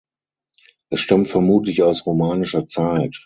Es stammt vermutlich aus romanischer Zeit.